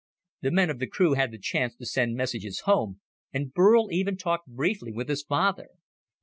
The men of the crew had the chance to send messages home, and Burl even talked briefly with his father.